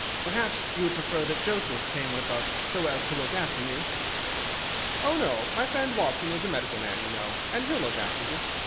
Perhaps you would prefer that Joseph came with us so as to look after me?" "Oh, no; my friend Watson is a medical man, you know, and he'll look after you.